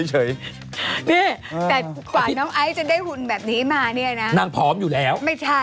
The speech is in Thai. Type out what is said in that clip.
นี่แต่กว่าน้องไอซ์จะได้หุ่นแบบนี้มาเนี่ยนะนางพร้อมอยู่แล้วไม่ใช่